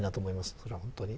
それは本当に。